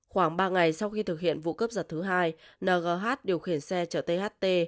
khoảng ba ngày sau khi thực hiện vụ cướp giật thứ hai ngh điều khiển xe chở tht